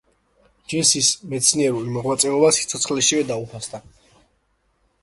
ჯინსის მეცნიერული მოღვაწეობა სიცოცხლეშივე დაუფასდა.